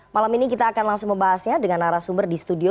malam ini kita akan langsung membahasnya dengan arah sumber di studio